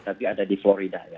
tapi ada di florida ya